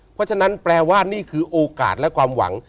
เพราะฉะนั้นแปลว่านี่คือโอกาสและความหวัง